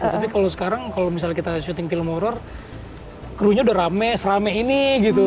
tapi kalau sekarang kalau misalnya kita syuting film horror krunya udah rame serame ini gitu